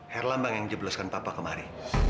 herlambang yang jebloskan papa kemari